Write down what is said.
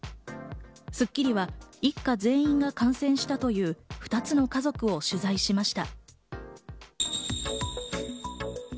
『スッキリ』は一家全員が感染したという２つの家族を取材しました。